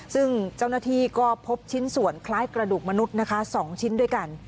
ซึ่งเจ้าหน้าที่ก็พบชิ้นส่วนคล้ายกระดูกมนุษย์นะคะ๒ชิ้นด้วยกัน